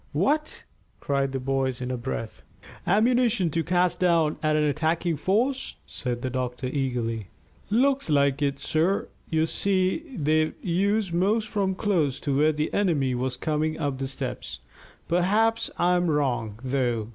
"What!" cried the boys, in a breath. "Ammunition to cast down at an attacking force?" said the doctor eagerly. "Looks like it, sir. You see, they've used most from close to where the enemy was coming up the steps. Perhaps I'm wrong, though.